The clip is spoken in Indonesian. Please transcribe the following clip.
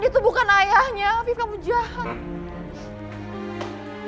dia tuh bukan ayahnya afif kamu jahat